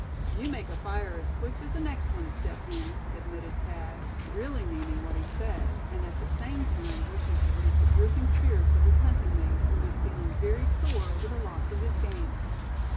"You make a fire as quick as the next one, Step Hen," admitted Thad, really meaning what he said, and at the same time wishing to raise the drooping spirits of his hunting mate, who was feeling very sore over the loss of his game.